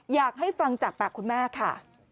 อยากให้ฟังจากปากคุณแม่ค่ะ